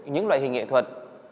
những loại hình nghệ thuật